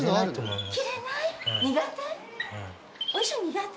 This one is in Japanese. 苦手？